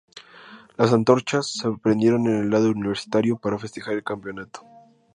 Las antorchas se prendieron en el lado universitario, para festejar el campeonato.